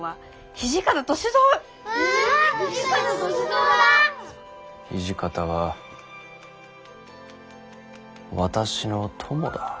土方は私の友だ。